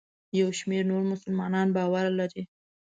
یو شمېر نور مسلمانان بیا باور لري.